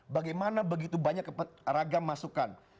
bagaimana begitu banyak ragam masukan